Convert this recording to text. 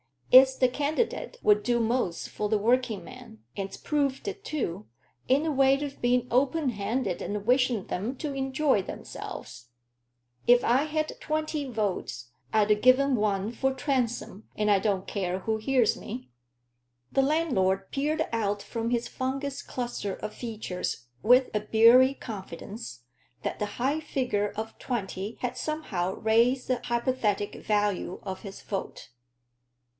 It's the candidate 'ull do most for the workingmen, and's proved it too, in the way o' being open handed and wishing 'em to enjoy themselves. If I'd twenty votes, I'd give one for Transome, and I don't care who hears me." The landlord peered out from his fungous cluster of features with a beery confidence that the high figure of twenty had somehow raised the hypothetic value of his vote.